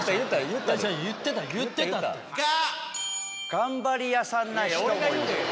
頑張り屋さんな人もいる。